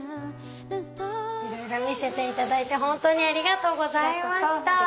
いろいろ見せていただいて本当にありがとうございました。